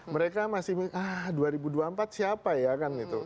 mereka masih ah dua ribu dua puluh empat siapa ya kan itu